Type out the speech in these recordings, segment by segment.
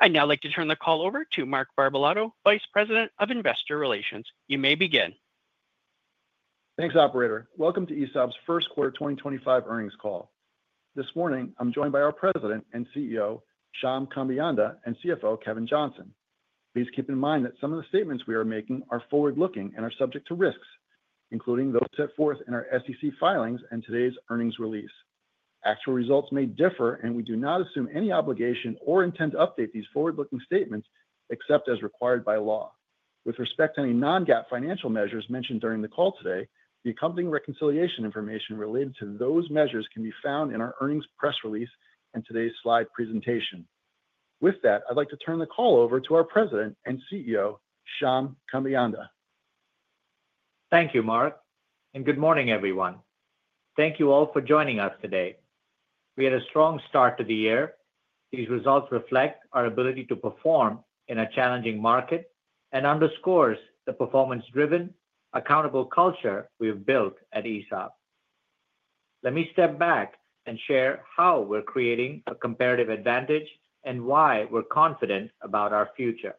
I'd now like to turn the call over to Mark Barbalato, Vice President of Investor Relations. You may begin. Thanks, Operator. Welcome to ESAB's first quarter 2025 earnings call. This morning, I'm joined by our President and CEO, Shyam Kambeyanda, and CFO, Kevin Johnson. Please keep in mind that some of the statements we are making are forward-looking and are subject to risks, including those set forth in our SEC filings and today's earnings release. Actual results may differ, and we do not assume any obligation or intend to update these forward-looking statements except as required by law. With respect to any non-GAAP financial measures mentioned during the call today, the accompanying reconciliation information related to those measures can be found in our earnings press release and today's slide presentation. With that, I'd like to turn the call over to our President and CEO, Shyam Kambeyanda. Thank you, Mark, and good morning, everyone. Thank you all for joining us today. We had a strong start to the year. These results reflect our ability to perform in a challenging market and underscore the performance-driven, accountable culture we have built at ESAB. Let me step back and share how we're creating a comparative advantage and why we're confident about our future.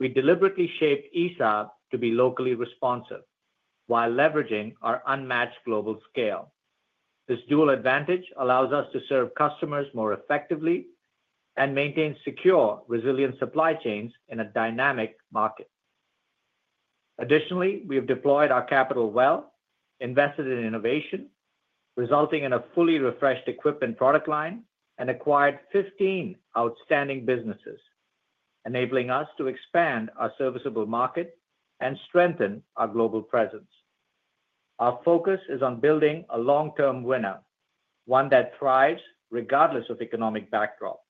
We deliberately shaped ESAB to be locally responsive while leveraging our unmatched global scale. This dual advantage allows us to serve customers more effectively and maintain secure, resilient supply chains in a dynamic market. Additionally, we have deployed our capital well, invested in innovation, resulting in a fully refreshed equipment product line, and acquired 15 outstanding businesses, enabling us to expand our serviceable market and strengthen our global presence. Our focus is on building a long-term winner, one that thrives regardless of economic backdrop.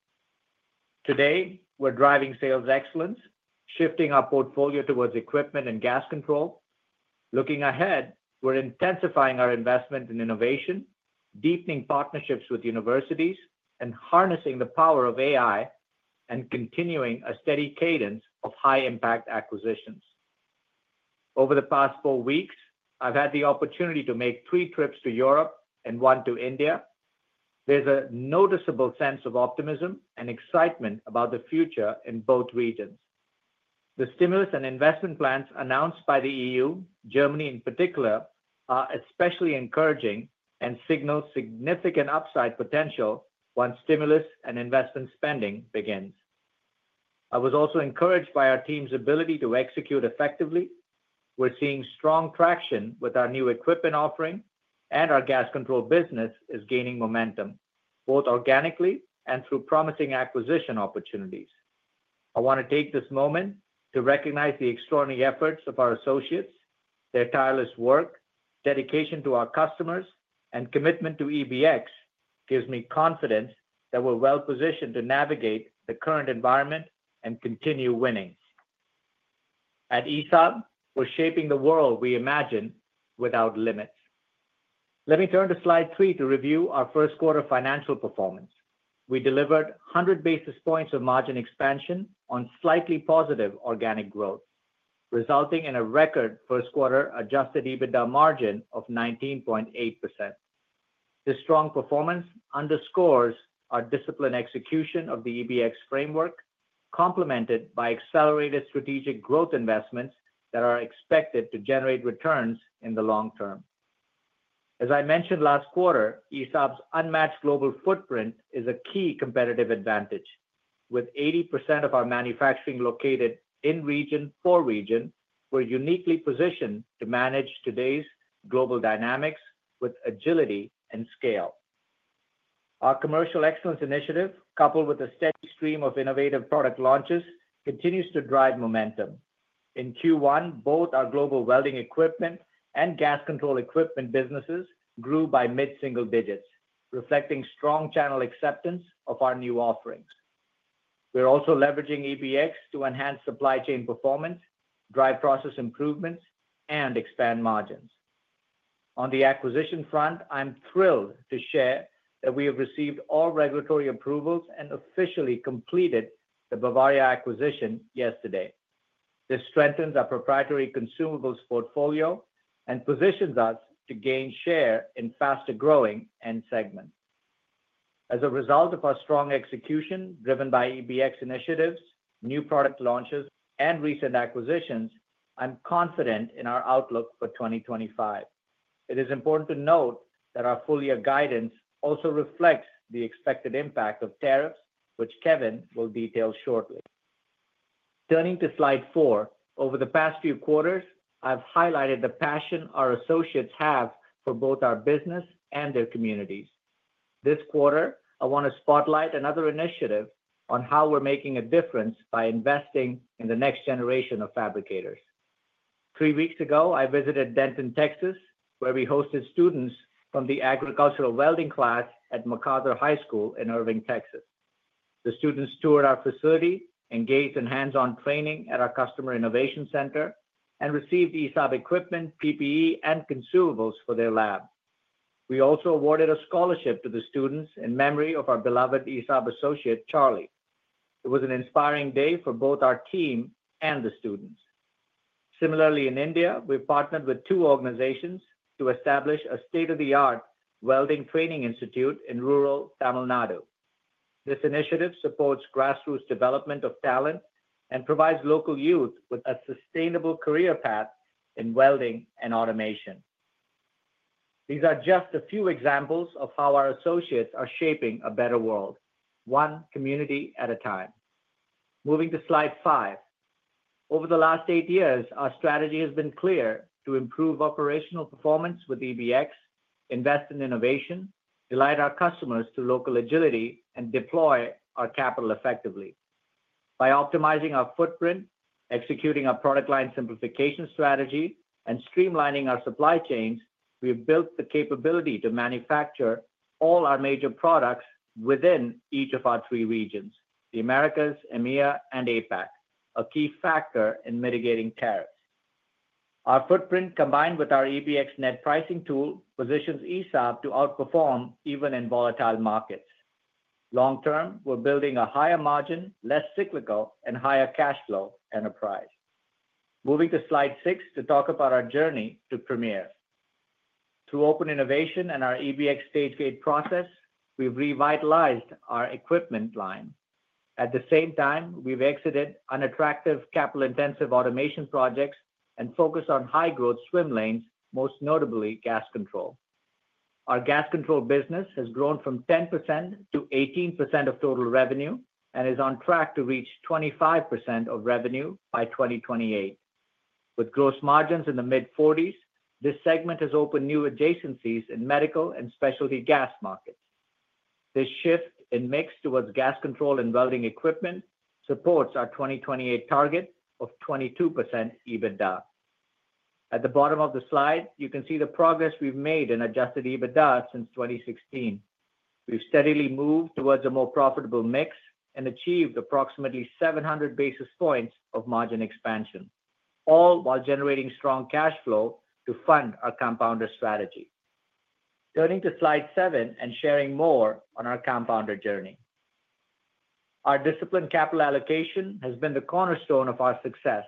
Today, we're driving sales excellence, shifting our portfolio towards equipment and gas control. Looking ahead, we're intensifying our investment in innovation, deepening partnerships with universities, and harnessing the power of AI and continuing a steady cadence of high-impact acquisitions. Over the past four weeks, I've had the opportunity to make three trips to Europe and one to India. There's a noticeable sense of optimism and excitement about the future in both regions. The stimulus and investment plans announced by the EU, Germany in particular, are especially encouraging and signal significant upside potential once stimulus and investment spending begins. I was also encouraged by our team's ability to execute effectively. We're seeing strong traction with our new equipment offering, and our gas control business is gaining momentum, both organically and through promising acquisition opportunities. I want to take this moment to recognize the extraordinary efforts of our associates. Their tireless work, dedication to our customers, and commitment to EBX gives me confidence that we're well-positioned to navigate the current environment and continue winning. At ESAB, we're shaping the world we imagine without limits. Let me turn to slide three to review our first quarter financial performance. We delivered 100 basis points of margin expansion on slightly positive organic growth, resulting in a record first quarter Adjusted EBITDA margin of 19.8%. This strong performance underscores our disciplined execution of the EBX framework, complemented by accelerated strategic growth investments that are expected to generate returns in the long term. As I mentioned last quarter, ESAB's unmatched global footprint is a key competitive advantage. With 80% of our manufacturing located in region for region, we're uniquely positioned to manage today's global dynamics with agility and scale. Our commercial excellence initiative, coupled with a steady stream of innovative product launches, continues to drive momentum. In Q1, both our global welding equipment and gas control equipment businesses grew by mid-single digits, reflecting strong channel acceptance of our new offerings. We're also leveraging EBX to enhance supply chain performance, drive process improvements, and expand margins. On the acquisition front, I'm thrilled to share that we have received all regulatory approvals and officially completed the Bavaria acquisition yesterday. This strengthens our proprietary consumables portfolio and positions us to gain share in faster growing end segments. As a result of our strong execution driven by EBX initiatives, new product launches, and recent acquisitions, I'm confident in our outlook for 2025. It is important to note that our full-year guidance also reflects the expected impact of tariffs, which Kevin will detail shortly. Turning to slide four, over the past few quarters, I've highlighted the passion our associates have for both our business and their communities. This quarter, I want to spotlight another initiative on how we're making a difference by investing in the next generation of fabricators. Three weeks ago, I visited Denton, Texas, where we hosted students from the agricultural welding class at MacArthur High School in Irving, Texas. The students toured our facility, engaged in hands-on training at our customer innovation center, and received ESAB equipment, PPE, and consumables for their lab. We also awarded a scholarship to the students in memory of our beloved ESAB associate, Charlie. It was an inspiring day for both our team and the students. Similarly, in India, we partnered with two organizations to establish a state-of-the-art welding training institute in rural Tamil Nadu. This initiative supports grassroots development of talent and provides local youth with a sustainable career path in welding and automation. These are just a few examples of how our associates are shaping a better world, one community at a time. Moving to slide five. Over the last eight years, our strategy has been clear to improve operational performance with EBX, invest in innovation, delight our customers through local agility, and deploy our capital effectively. By optimizing our footprint, executing our product line simplification strategy, and streamlining our supply chains, we have built the capability to manufacture all our major products within each of our three regions: the Americas, EMEA, and APAC, a key factor in mitigating tariffs. Our footprint, combined with our EBX net pricing tool, positions ESAB to outperform even in volatile markets. Long term, we're building a higher margin, less cyclical, and higher cash flow enterprise. Moving to slide six to talk about our journey to premiere. Through open innovation and our EBX stage gate process, we've revitalized our equipment line. At the same time, we've exited unattractive capital-intensive automation projects and focused on high-growth swim lanes, most notably gas control. Our gas control business has grown from 10% to 18% of total revenue and is on track to reach 25% of revenue by 2028. With gross margins in the mid-40s, this segment has opened new adjacencies in medical and specialty gas markets. This shift in mix towards gas control and welding equipment supports our 2028 target of 22% EBITDA. At the bottom of the slide, you can see the progress we've made in Adjusted EBITDA since 2016. We've steadily moved towards a more profitable mix and achieved approximately 700 basis points of margin expansion, all while generating strong cash flow to fund our compounder strategy. Turning to slide seven and sharing more on our compounder journey. Our disciplined capital allocation has been the cornerstone of our success.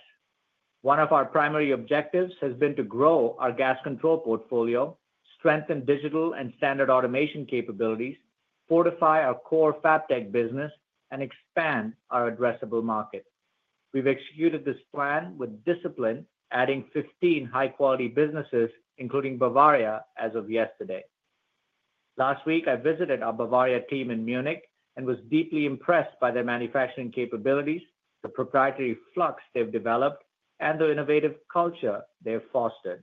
One of our primary objectives has been to grow our gas control portfolio, strengthen digital and standard automation capabilities, fortify our core FabTech business, and expand our addressable market. We've executed this plan with discipline, adding 15 high-quality businesses, including Bavaria, as of yesterday. Last week, I visited our Bavaria team in Munich and was deeply impressed by their manufacturing capabilities, the proprietary flux they've developed, and the innovative culture they've fostered.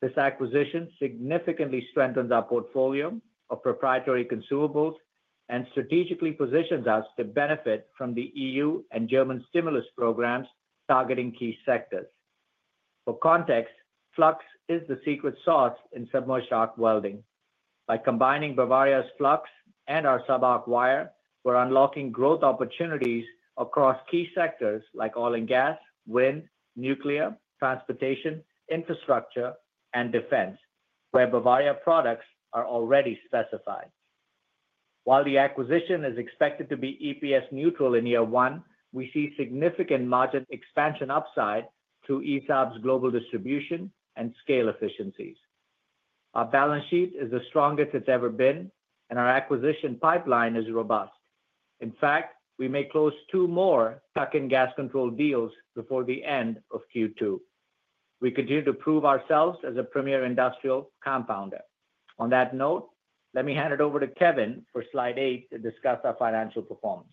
This acquisition significantly strengthens our portfolio of proprietary consumables and strategically positions us to benefit from the EU and German stimulus programs targeting key sectors. For context, flux is the secret sauce in submerged arc welding. By combining Bavaria's flux and our sub-arc wire, we're unlocking growth opportunities across key sectors like oil and gas, wind, nuclear, transportation, infrastructure, and defense, where Bavaria products are already specified. While the acquisition is expected to be EPS neutral in year one, we see significant margin expansion upside through ESAB's global distribution and scale efficiencies. Our balance sheet is as strong as it's ever been, and our acquisition pipeline is robust. In fact, we may close two more tuck-in gas control deals before the end of Q2. We continue to prove ourselves as a premier industrial compounder. On that note, let me hand it over to Kevin for slide eight to discuss our financial performance.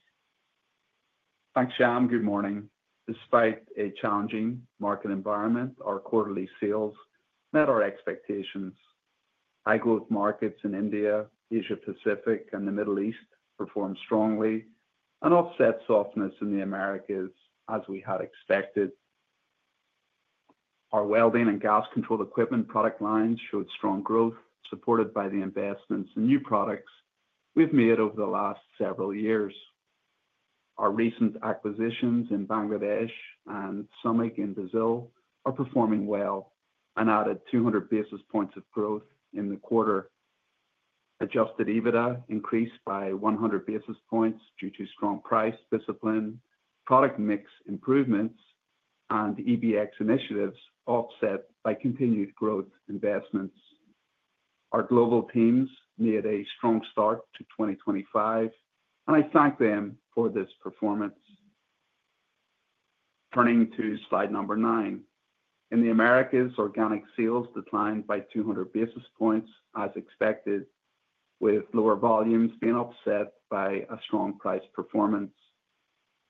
Thanks, Shyam. Good morning. Despite a challenging market environment, our quarterly sales met our expectations. High-growth markets in India, Asia-Pacific, and the Middle East performed strongly, and offset softness in the Americas as we had expected. Our welding and gas control equipment product lines showed strong growth, supported by the investments in new products we've made over the last several years. Our recent acquisitions in Bangladesh and Sumic in Brazil are performing well and added 200 basis points of growth in the quarter. Adjusted EBITDA increased by 100 basis points due to strong price discipline, product mix improvements, and EBX initiatives offset by continued growth investments. Our global teams made a strong start to 2025, and I thank them for this performance. Turning to slide number nine, in the Americas, organic sales declined by 200 basis points as expected, with lower volumes being offset by a strong price performance.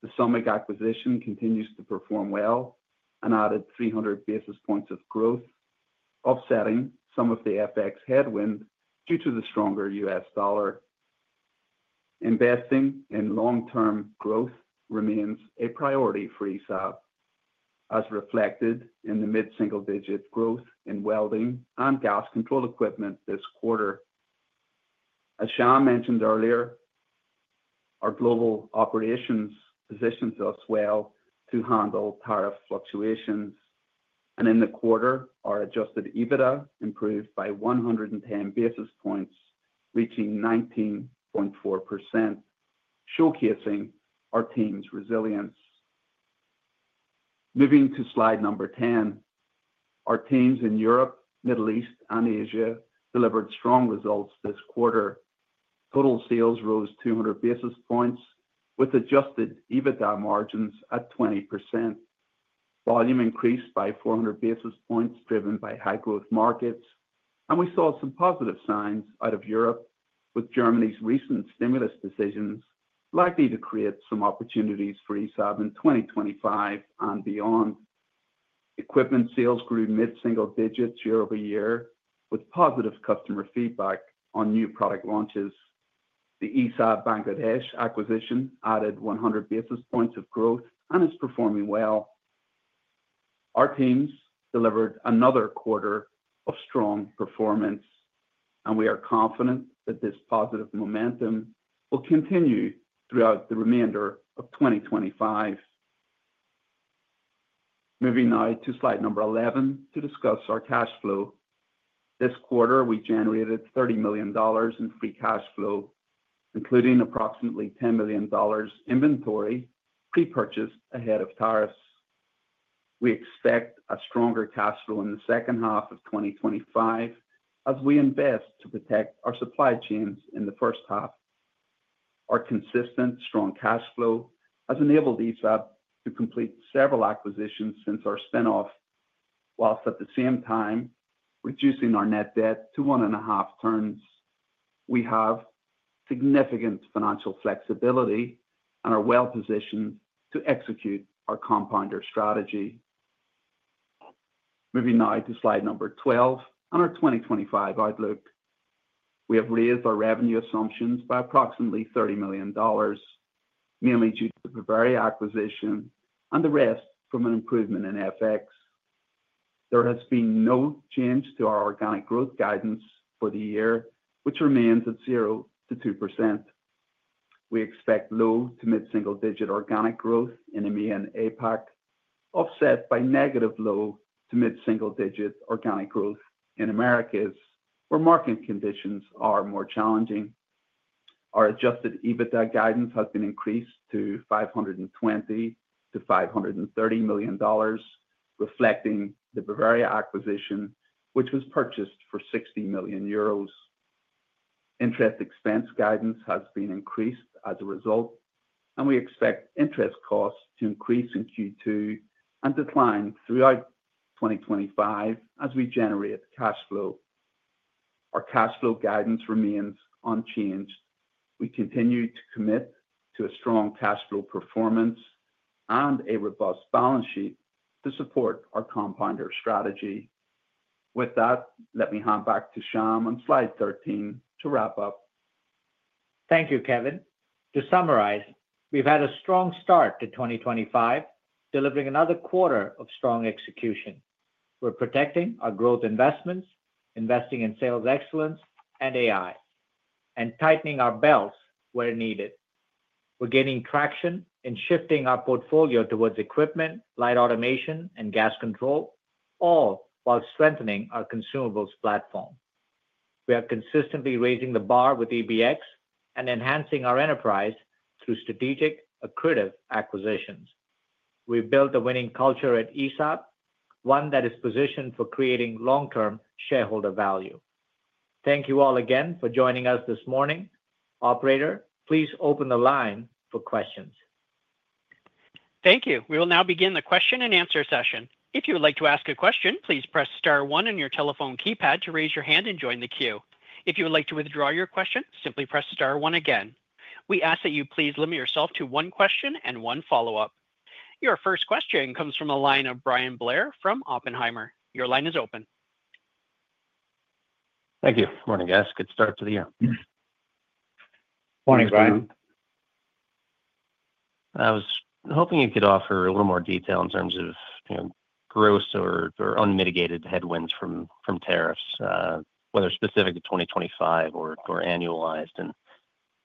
The Sumig acquisition continues to perform well and added 300 basis points of growth, offsetting some of the FX headwind due to the stronger US dollar. Investing in long-term growth remains a priority for ESAB, as reflected in the mid-single-digit growth in welding and gas control equipment this quarter. As Shyam mentioned earlier, our global operations positioned us well to handle tariff fluctuations, and in the quarter, our Adjusted EBITDA improved by 110 basis points, reaching 19.4%, showcasing our team's resilience. Moving to slide number 10, our teams in Europe, Middle East, and Asia delivered strong results this quarter. Total sales rose 200 basis points with Adjusted EBITDA margins at 20%. Volume increased by 400 basis points driven by high-growth markets, and we saw some positive signs out of Europe, with Germany's recent stimulus decisions likely to create some opportunities for ESAB in 2025 and beyond. Equipment sales grew mid-single digits year over year with positive customer feedback on new product launches. The ESAB Bangladesh acquisition added 100 basis points of growth and is performing well. Our teams delivered another quarter of strong performance, and we are confident that this positive momentum will continue throughout the remainder of 2025. Moving now to slide number 11 to discuss our cash flow. This quarter, we generated $30 million in free cash flow, including approximately $10 million in inventory pre-purchased ahead of tariffs. We expect a stronger cash flow in the second half of 2025 as we invest to protect our supply chains in the first half. Our consistent strong cash flow has enabled ESAB to complete several acquisitions since our spinoff, whilst at the same time reducing our net debt to one and a half turns. We have significant financial flexibility and are well positioned to execute our compounder strategy. Moving now to slide number 12 and our 2025 outlook. We have raised our revenue assumptions by approximately $30 million, mainly due to the Bavaria acquisition and the rest from an improvement in FX. There has been no change to our organic growth guidance for the year, which remains at 0-2%. We expect low to mid-single-digit organic growth in EMEA and APAC, offset by negative low to mid-single-digit organic growth in Americas where market conditions are more challenging. Our Adjusted EBITDA guidance has been increased to $520-$530 million, reflecting the Bavaria acquisition, which was purchased for 60 million euros. Interest expense guidance has been increased as a result, and we expect interest costs to increase in Q2 and decline throughout 2025 as we generate cash flow. Our cash flow guidance remains unchanged. We continue to commit to a strong cash flow performance and a robust balance sheet to support our compounder strategy. With that, let me hand back to Shyam on slide 13 to wrap up. Thank you, Kevin. To summarize, we've had a strong start to 2025, delivering another quarter of strong execution. We're protecting our growth investments, investing in sales excellence and AI, and tightening our belts where needed. We're gaining traction in shifting our portfolio towards equipment, light automation, and gas control, all while strengthening our consumables platform. We are consistently raising the bar with EBX and enhancing our enterprise through strategic accretive acquisitions. We've built a winning culture at ESAB, one that is positioned for creating long-term shareholder value. Thank you all again for joining us this morning. Operator, please open the line for questions. Thank you. We will now begin the question and answer session. If you would like to ask a question, please press star one on your telephone keypad to raise your hand and join the queue. If you would like to withdraw your question, simply press star one again. We ask that you please limit yourself to one question and one follow-up. Your first question comes from a line of Bryan Blair from Oppenheimer. Your line is open. Thank you. Morning, guys. Good start to the year. Morning, Bryan. I was hoping you could offer a little more detail in terms of gross or unmitigated headwinds from tariffs, whether specific to 2025 or annualized, and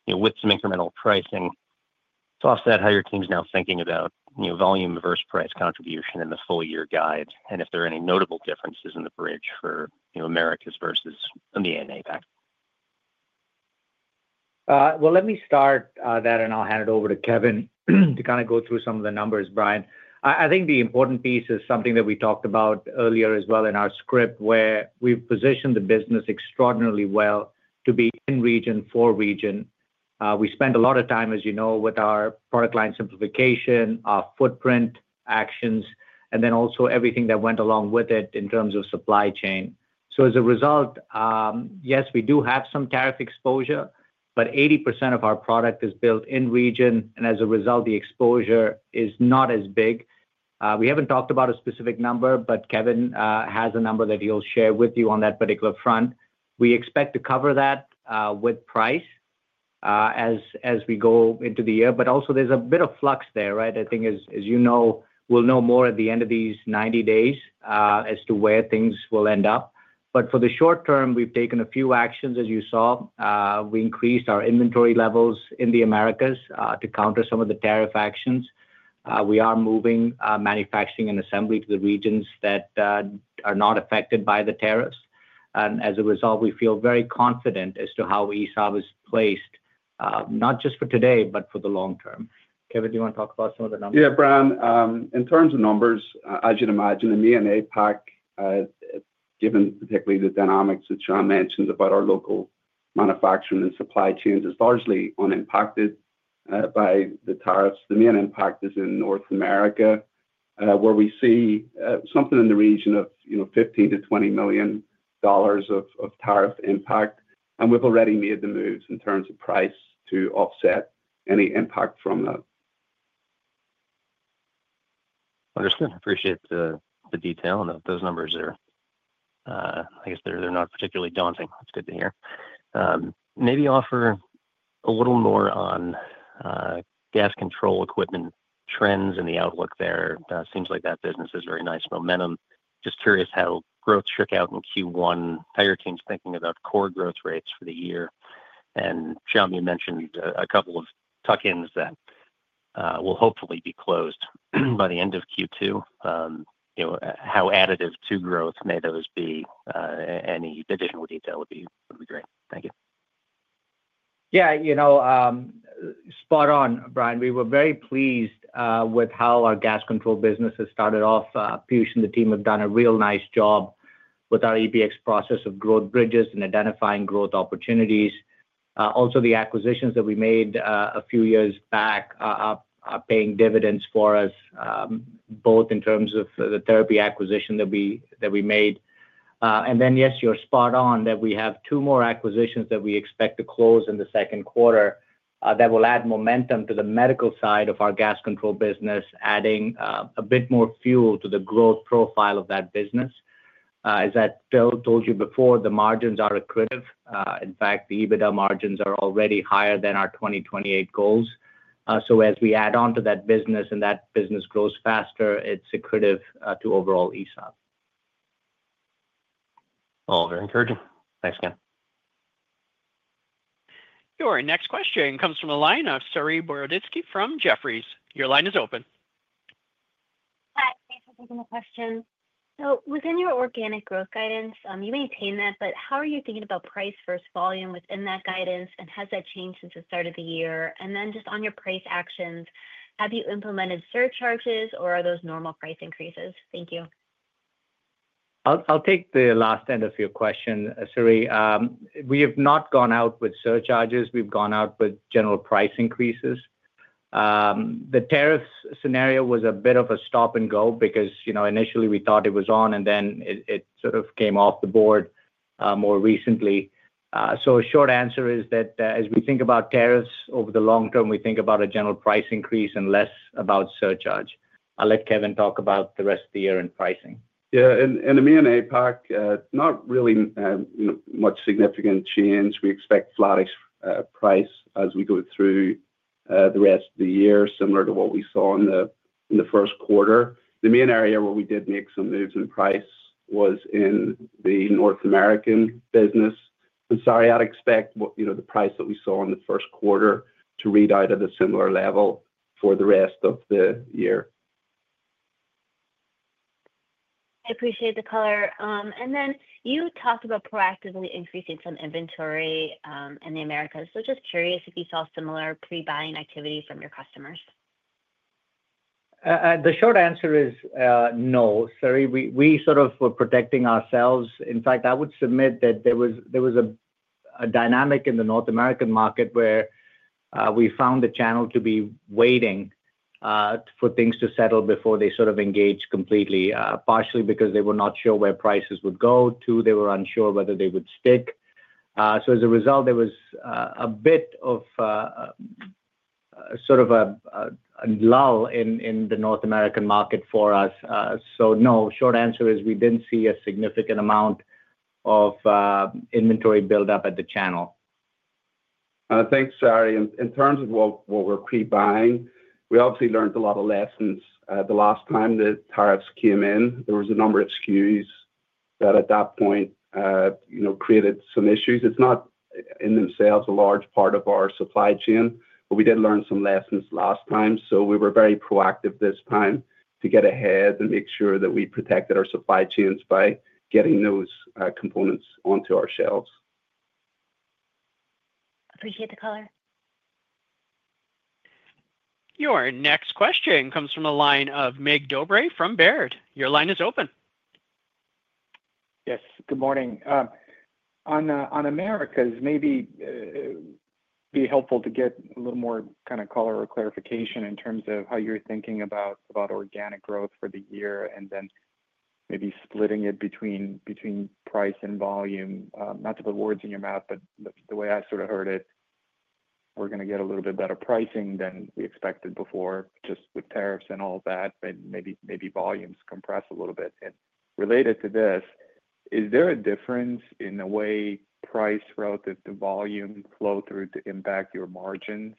with some incremental pricing. To offset how your team's now thinking about volume versus price contribution in the full-year guide and if there are any notable differences in the bridge for Americas versus EMEA and APAC. Let me start that, and I'll hand it over to Kevin to kind of go through some of the numbers, Bryan. I think the important piece is something that we talked about earlier as well in our script where we've positioned the business extraordinarily well to be in region for region. We spent a lot of time, as you know, with our product line simplification, our footprint actions, and then also everything that went along with it in terms of supply chain. As a result, yes, we do have some tariff exposure, but 80% of our product is built in region, and as a result, the exposure is not as big. We haven't talked about a specific number, but Kevin has a number that he'll share with you on that particular front. We expect to cover that with price as we go into the year, but also there's a bit of flux there, right? I think, as you know, we'll know more at the end of these 90 days as to where things will end up. For the short term, we've taken a few actions, as you saw. We increased our inventory levels in the Americas to counter some of the tariff actions. We are moving manufacturing and assembly to the regions that are not affected by the tariffs. As a result, we feel very confident as to how ESAB is placed, not just for today, but for the long term. Kevin, do you want to talk about some of the numbers? Yeah, Bryan. In terms of numbers, as you'd imagine, EMEA and APAC, given particularly the dynamics that Shyam mentioned about our local manufacturing and supply chains, is largely unimpacted by the tariffs. The main impact is in North America, where we see something in the region of $15-$20 million of tariff impact, and we've already made the moves in terms of price to offset any impact from that. Understood. Appreciate the detail and those numbers there. I guess they're not particularly daunting. That's good to hear. Maybe offer a little more on gas control equipment trends and the outlook there. Seems like that business is very nice momentum. Just curious how growth shook out in Q1. How your team's thinking about core growth rates for the year. Shyam, you mentioned a couple of tuck-ins that will hopefully be closed by the end of Q2. How additive to growth may those be? Any additional detail would be great. Thank you. Yeah, you know, spot on, Bryan. We were very pleased with how our gas control business has started off. Piyush and the team have done a real nice job with our EBX process of growth bridges and identifying growth opportunities. Also, the acquisitions that we made a few years back are paying dividends for us, both in terms of the Therapy acquisition that we made. Yes, you're spot on that we have two more acquisitions that we expect to close in the second quarter that will add momentum to the medical side of our gas control business, adding a bit more fuel to the growth profile of that business. As I told you before, the margins are accretive. In fact, the EBITDA margins are already higher than our 2028 goals. As we add on to that business and that business grows faster, it's accretive to overall ESAB. All very encouraging. Thanks again. Your next question comes from Saree Boroditsky from Jefferies. Your line is open. Hi, thanks for taking the question. Within your organic growth guidance, you maintain that, but how are you thinking about price versus volume within that guidance, and has that changed since the start of the year? Just on your price actions, have you implemented surcharges, or are those normal price increases? Thank you. I'll take the last end of your question, Saree. We have not gone out with surcharges. We've gone out with general price increases. The tariffs scenario was a bit of a stop and go because initially we thought it was on, and then it sort of came off the board more recently. A short answer is that as we think about tariffs over the long term, we think about a general price increase and less about surcharge. I'll let Kevin talk about the rest of the year and pricing. Yeah, and EMEA and APAC, not really much significant change. We expect flat price as we go through the rest of the year, similar to what we saw in the first quarter. The main area where we did make some moves in price was in the North American business. Sorry, I'd expect the price that we saw in the first quarter to read out at a similar level for the rest of the year. I appreciate the color. You talked about proactively increasing some inventory in the Americas. Just curious if you saw similar pre-buying activity from your customers. The short answer is no, Saree. We sort of were protecting ourselves. In fact, I would submit that there was a dynamic in the North American market where we found the channel to be waiting for things to settle before they sort of engaged completely, partially because they were not sure where prices would go. Two, they were unsure whether they would stick. As a result, there was a bit of sort of a lull in the North American market for us. No, short answer is we did not see a significant amount of inventory buildup at the channel. Thanks, Saree. In terms of what we're pre-buying, we obviously learned a lot of lessons. The last time the tariffs came in, there was a number of SKUs that at that point created some issues. It's not in themselves a large part of our supply chain, but we did learn some lessons last time. We were very proactive this time to get ahead and make sure that we protected our supply chains by getting those components onto our shelves. Appreciate the color. Your next question comes from a line of Mircea Dobre from Baird. Your line is open. Yes, good morning. On Americas, maybe it'd be helpful to get a little more kind of color or clarification in terms of how you're thinking about organic growth for the year and then maybe splitting it between price and volume. Not to put words in your mouth, but the way I sort of heard it, we're going to get a little bit better pricing than we expected before, just with tariffs and all that. Maybe volumes compress a little bit. Related to this, is there a difference in the way price relative to volume flow through to impact your margins?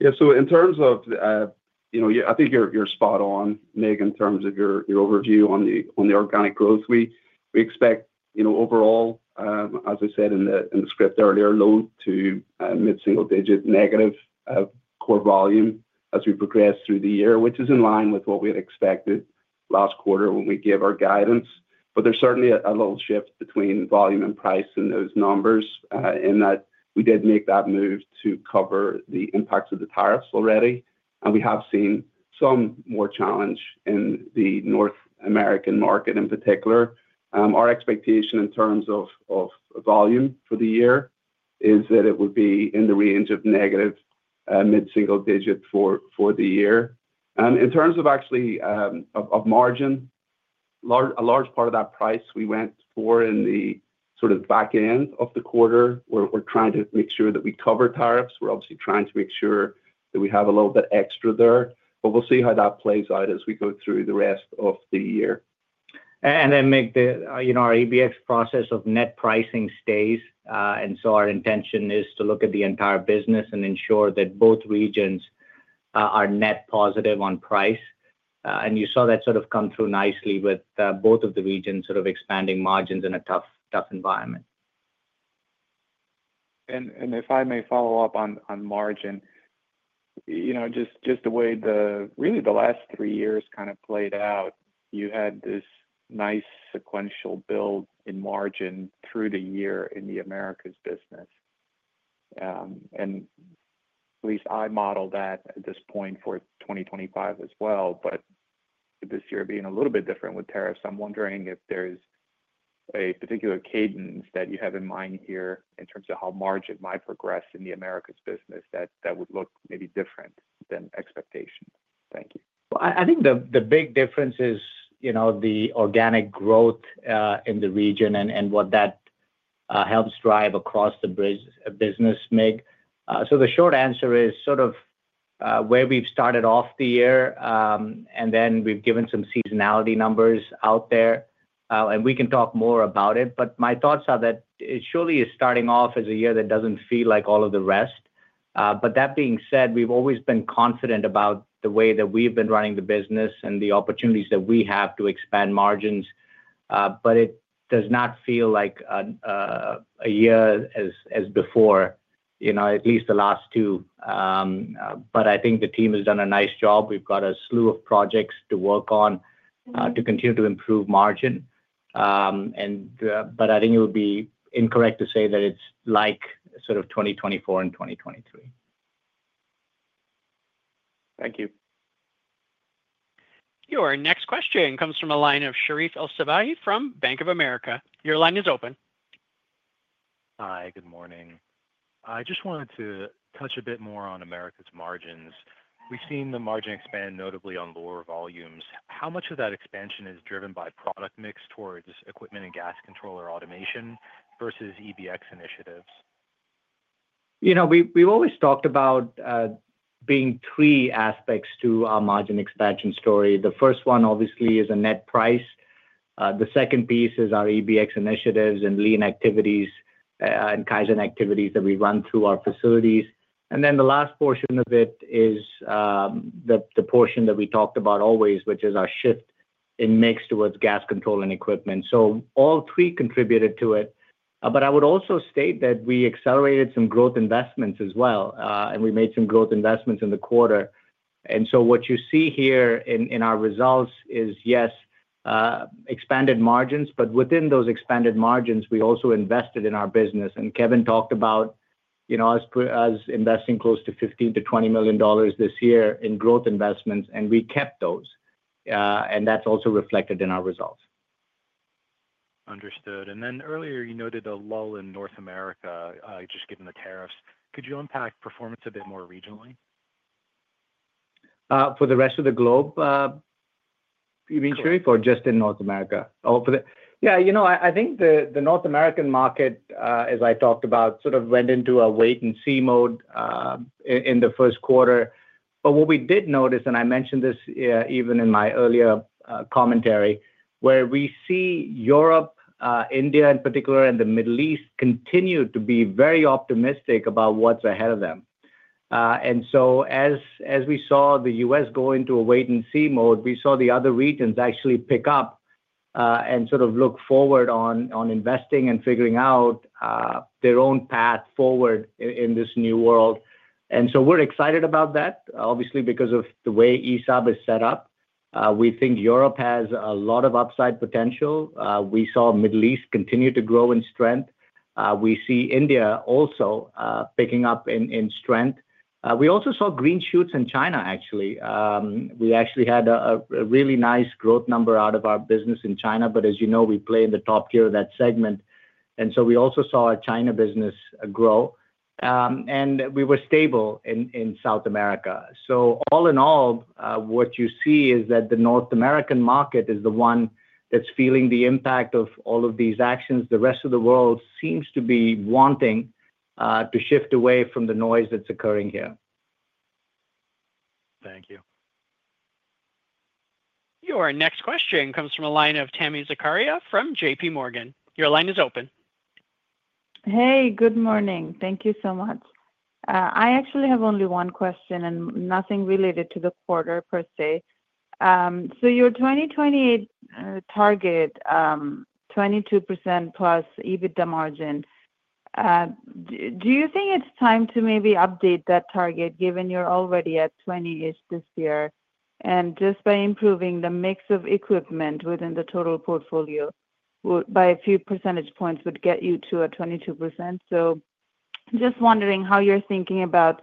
Yeah, so in terms of I think you're spot on, Mircea, in terms of your overview on the organic growth. We expect overall, as I said in the script earlier, low to mid-single-digit negative core volume as we progress through the year, which is in line with what we had expected last quarter when we gave our guidance. There is certainly a little shift between volume and price in those numbers in that we did make that move to cover the impacts of the tariffs already, and we have seen some more challenge in the North American market in particular. Our expectation in terms of volume for the year is that it would be in the range of negative mid-single-digit for the year. In terms of actually of margin, a large part of that price we went for in the sort of back end of the quarter, we're trying to make sure that we cover tariffs. We're obviously trying to make sure that we have a little bit extra there, but we'll see how that plays out as we go through the rest of the year. Mircea, our EBX process of net pricing stays, and so our intention is to look at the entire business and ensure that both regions are net positive on price. You saw that sort of come through nicely with both of the regions sort of expanding margins in a tough environment. If I may follow up on margin, just the way really the last three years kind of played out, you had this nice sequential build in margin through the year in the Americas business. At least I model that at this point for 2025 as well, but this year being a little bit different with tariffs, I'm wondering if there's a particular cadence that you have in mind here in terms of how margin might progress in the Americas business that would look maybe different than expectation. Thank you. I think the big difference is the organic growth in the region and what that helps drive across the business, Mircea. The short answer is sort of where we've started off the year, and then we've given some seasonality numbers out there, and we can talk more about it. My thoughts are that it surely is starting off as a year that doesn't feel like all of the rest. That being said, we've always been confident about the way that we've been running the business and the opportunities that we have to expand margins, but it does not feel like a year as before, at least the last two. I think the team has done a nice job. We've got a slew of projects to work on to continue to improve margin, but I think it would be incorrect to say that it's like sort of 2024 and 2023. Thank you. Your next question comes from a line of Sherif El-Sabbahy from Bank of America. Your line is open. Hi, good morning. I just wanted to touch a bit more on Americas margins. We've seen the margin expand notably on lower volumes. How much of that expansion is driven by product mix towards equipment and gas control or automation versus EBX initiatives? You know, we've always talked about being three aspects to our margin expansion story. The first one, obviously, is a net price. The second piece is our EBX initiatives and lean activities and Kaizen activities that we run through our facilities. The last portion of it is the portion that we talked about always, which is our shift in mix towards gas control and equipment. All three contributed to it, but I would also state that we accelerated some growth investments as well, and we made some growth investments in the quarter. What you see here in our results is, yes, expanded margins, but within those expanded margins, we also invested in our business. Kevin talked about us investing close to $15-$20 million this year in growth investments, and we kept those, and that's also reflected in our results. Understood. Earlier you noted a lull in North America just given the tariffs. Could you unpack performance a bit more regionally? For the rest of the globe? You mean Sherif or just in North America? Yeah, you know, I think the North American market, as I talked about, sort of went into a wait-and-see mode in the first quarter. What we did notice, and I mentioned this even in my earlier commentary, where we see Europe, India in particular, and the Middle East continue to be very optimistic about what's ahead of them. As we saw the U.S. go into a wait-and-see mode, we saw the other regions actually pick up and sort of look forward on investing and figuring out their own path forward in this new world. We are excited about that, obviously, because of the way ESAB is set up. We think Europe has a lot of upside potential. We saw the Middle East continue to grow in strength. We see India also picking up in strength. We also saw green shoots in China, actually. We actually had a really nice growth number out of our business in China, but as you know, we play in the top tier of that segment. We also saw our China business grow. We were stable in South America. All in all, what you see is that the North American market is the one that's feeling the impact of all of these actions. The rest of the world seems to be wanting to shift away from the noise that's occurring here. Thank you. Your next question comes from a line of Tami Zakaria from JP Morgan. Your line is open. Hey, good morning. Thank you so much. I actually have only one question and nothing related to the quarter per se. Your 2028 target, 22% plus EBITDA margin, do you think it's time to maybe update that target given you're already at 20% this year? Just by improving the mix of equipment within the total portfolio by a few percentage points would get you to 22%. Just wondering how you're thinking about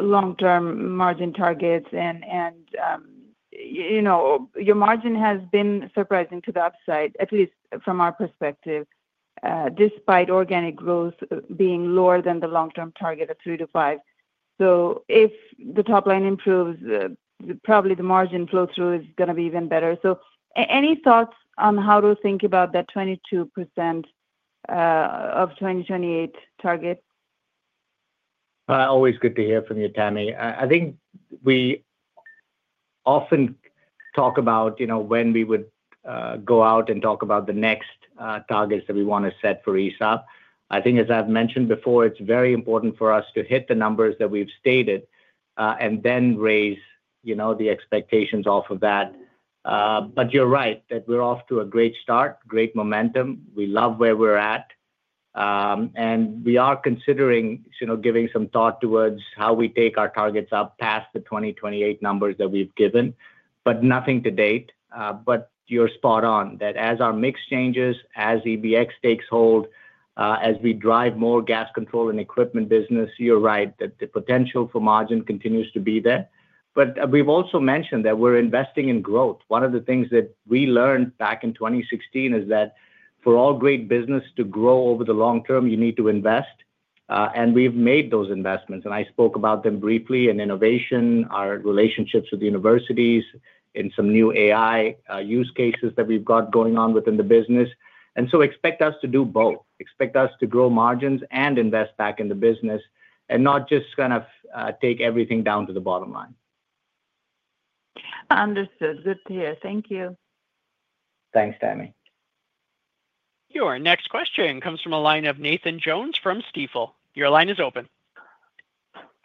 long-term margin targets. Your margin has been surprising to the upside, at least from our perspective, despite organic growth being lower than the long-term target of 3-5%. If the top line improves, probably the margin flow through is going to be even better. Any thoughts on how to think about that 22% of 2028 target? Always good to hear from you, Tami. I think we often talk about when we would go out and talk about the next targets that we want to set for ESAB. I think, as I've mentioned before, it's very important for us to hit the numbers that we've stated and then raise the expectations off of that. You're right that we're off to a great start, great momentum. We love where we're at. We are considering giving some thought towards how we take our targets up past the 2028 numbers that we've given, but nothing to date. You're spot on that as our mix changes, as EBX takes hold, as we drive more gas control and equipment business, you're right that the potential for margin continues to be there. We've also mentioned that we're investing in growth. One of the things that we learned back in 2016 is that for all great business to grow over the long term, you need to invest. We have made those investments. I spoke about them briefly in innovation, our relationships with the universities, in some new AI use cases that we have got going on within the business. Expect us to do both. Expect us to grow margins and invest back in the business and not just kind of take everything down to the bottom line. Understood. Good to hear. Thank you. Thanks, Tami. Your next question comes from a line of Nathan Jones from Stifel. Your line is open.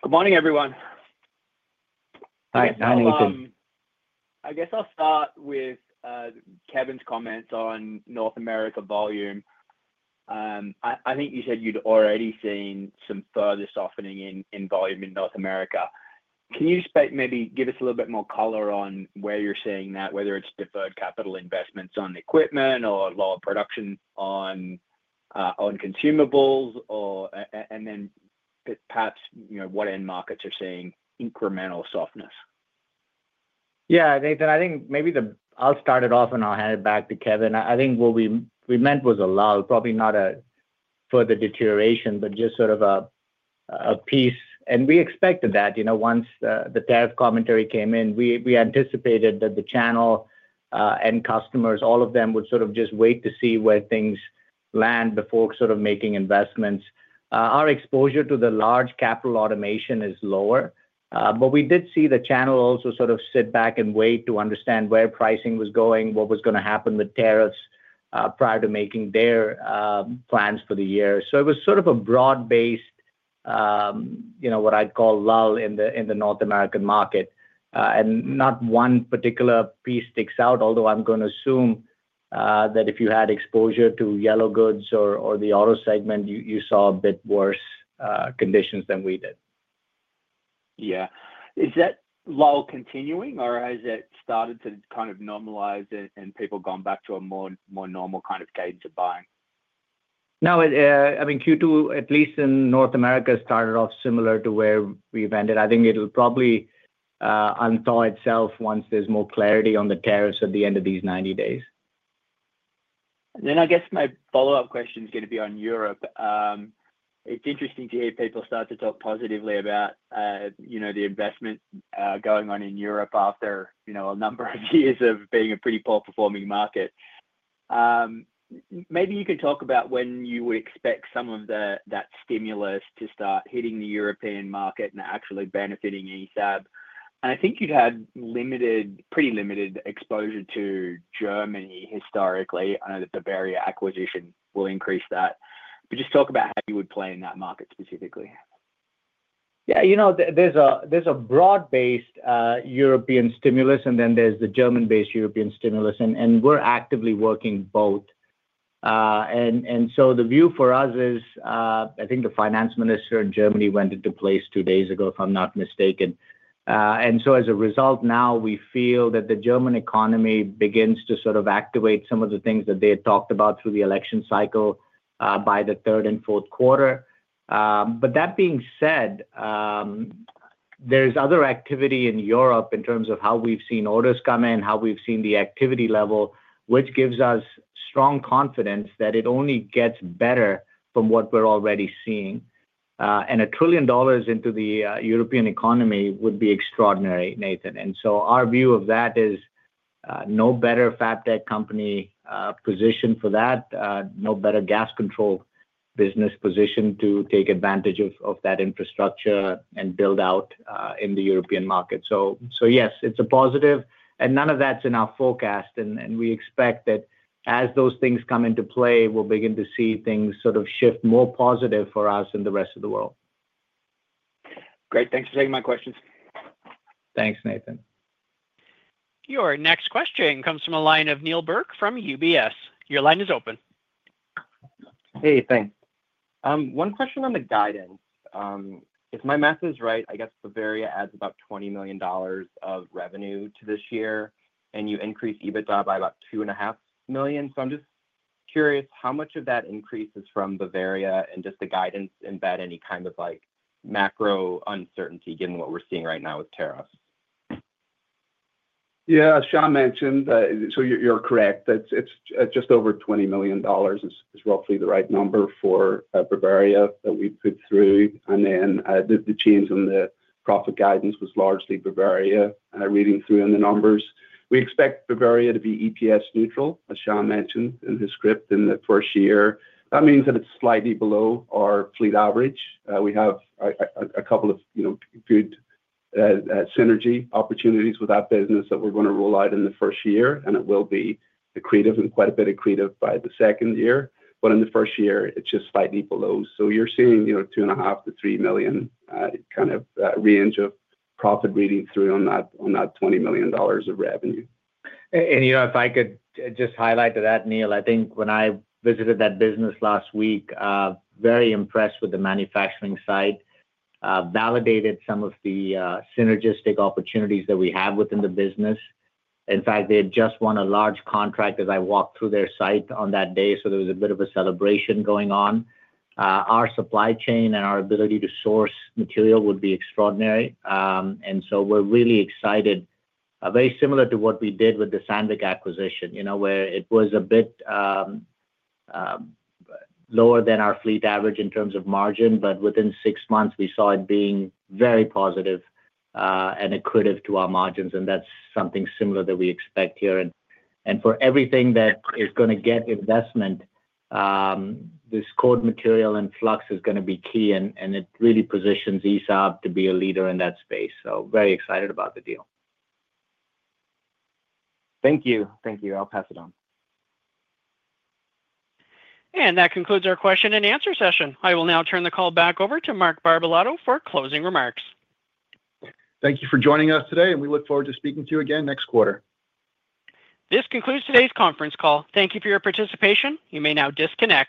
Good morning, everyone. Hi, Nathan. I guess I'll start with Kevin's comments on North America volume. I think you said you'd already seen some further softening in volume in North America. Can you maybe give us a little bit more color on where you're seeing that, whether it's deferred capital investments on equipment or lower production on consumables, and then perhaps what end markets are seeing incremental softness? Yeah, Nathan, I think maybe I'll start it off and I'll hand it back to Kevin. I think what we meant was a lull, probably not a further deterioration, but just sort of a piece. We expected that. Once the tariff commentary came in, we anticipated that the channel and customers, all of them would sort of just wait to see where things land before sort of making investments. Our exposure to the large capital automation is lower, but we did see the channel also sort of sit back and wait to understand where pricing was going, what was going to happen with tariffs prior to making their plans for the year. It was sort of a broad-based, what I'd call lull in the North American market. Not one particular piece sticks out, although I'm going to assume that if you had exposure to yellow goods or the auto segment, you saw a bit worse conditions than we did. Yeah. Is that lull continuing, or has it started to kind of normalize and people gone back to a more normal kind of cadence of buying? No, I mean, Q2, at least in North America, started off similar to where we've ended. I think it'll probably untie itself once there's more clarity on the tariffs at the end of these 90 days. I guess my follow-up question is going to be on Europe. It's interesting to hear people start to talk positively about the investment going on in Europe after a number of years of being a pretty poor-performing market. Maybe you can talk about when you would expect some of that stimulus to start hitting the European market and actually benefiting ESAB. I think you'd had pretty limited exposure to Germany historically. I know that Bavaria acquisition will increase that. Just talk about how you would play in that market specifically. Yeah, you know, there's a broad-based European stimulus, and then there's the German-based European stimulus. We're actively working both. The view for us is, I think the finance minister in Germany went into place two days ago, if I'm not mistaken. As a result, now we feel that the German economy begins to sort of activate some of the things that they had talked about through the election cycle by the third and fourth quarter. That being said, there's other activity in Europe in terms of how we've seen orders come in, how we've seen the activity level, which gives us strong confidence that it only gets better from what we're already seeing. A trillion dollars into the European economy would be extraordinary, Nathan. Our view of that is no better Fabtech company position for that, no better gas control business position to take advantage of that infrastructure and build out in the European market. Yes, it's a positive, and none of that's in our forecast. We expect that as those things come into play, we'll begin to see things sort of shift more positive for us in the rest of the world. Great. Thanks for taking my questions. Thanks, Nathan. Your next question comes from a line of Neal Burk from UBS. Your line is open. Hey, thanks. One question on the guidance. If my math is right, I guess Bavaria adds about $20 million of revenue to this year, and you increase EBITDA by about $2.5 million. I am just curious how much of that increase is from Bavaria and does the guidance embed any kind of macro uncertainty given what we are seeing right now with tariffs. Yeah, as Shyam mentioned, so you're correct. It's just over $20 million is roughly the right number for Bavaria that we put through. And then the change in the profit guidance was largely Bavaria reading through in the numbers. We expect Bavaria to be EPS neutral, as Shyam mentioned in his script in the first year. That means that it's slightly below our fleet average. We have a couple of good synergy opportunities with that business that we're going to roll out in the first year, and it will be accretive and quite a bit accretive by the second year. But in the first year, it's just slightly below. So you're seeing $2.5-$3 million kind of range of profit reading through on that $20 million of revenue. If I could just highlight that, Neal, I think when I visited that business last week, very impressed with the manufacturing side, validated some of the synergistic opportunities that we have within the business. In fact, they had just won a large contract as I walked through their site on that day. There was a bit of a celebration going on. Our supply chain and our ability to source material would be extraordinary. We are really excited, very similar to what we did with the Sandvik acquisition, where it was a bit lower than our fleet average in terms of margin, but within six months, we saw it being very positive and accretive to our margins. That is something similar that we expect here. For everything that is going to get investment, this code material and flux is going to be key, and it really positions ESAB to be a leader in that space. Very excited about the deal. Thank you. Thank you. I'll pass it on. That concludes our question and answer session. I will now turn the call back over to Mark Barbalato for closing remarks. Thank you for joining us today, and we look forward to speaking to you again next quarter. This concludes today's conference call. Thank you for your participation. You may now disconnect.